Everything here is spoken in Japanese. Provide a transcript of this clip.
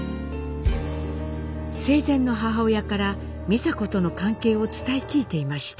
生前の母親から美佐子との関係を伝え聞いていました。